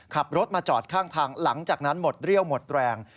ขับรถมาจอดข้างทางหลังจากนั้นหมดเรี่ยวหมดแรง